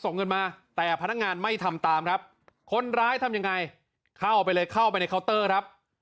ส่งเงินมาแต่พนักงานไม่ทำตามครับคนร้ายทำยังไงเข้าไปเลยเข้าไปในเคาน์เตอร์ครับ